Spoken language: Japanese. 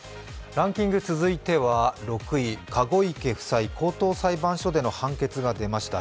ランキング続いては６位、籠池夫妻、高等裁判所での判決が出ました。